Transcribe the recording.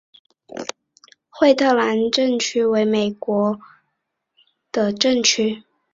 惠特兰镇区为美国堪萨斯州福特县辖下的镇区。